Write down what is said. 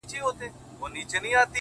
دا دی د مرگ تر دوه ويشتچي دقيقې وځم;